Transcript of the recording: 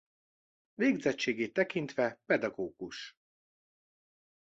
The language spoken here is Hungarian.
Végzettségét tekintve pedagógus.